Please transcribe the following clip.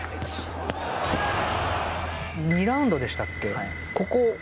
２ラウンドでしたっけ？